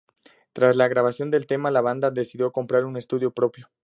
Tras la grabación del tema la banda decidió comprar un estudio propio.